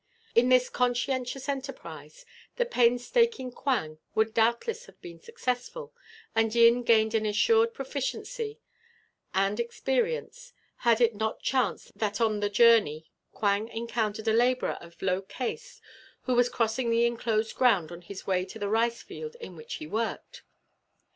In this conscientious enterprise, the painstaking Quang would doubtless have been successful, and Yin gained an assured proficiency and experience, had it not chanced that on the journey Quang encountered a labourer of low caste who was crossing the enclosed ground on his way to the rice field in which he worked.